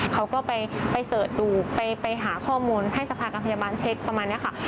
เขาก็ไปเสิร์ชดูไปหาข้อมูลให้สภากับพยาบาลเช็คประมาณนี้ค่ะ